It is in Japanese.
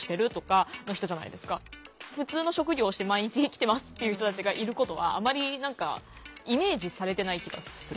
普通の職業をして毎日生きてますっていう人たちがいることはあまり何かイメージされてない気がする。